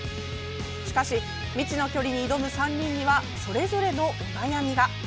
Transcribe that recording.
しかし未知の距離に挑む３人にはそれぞれのお悩みが。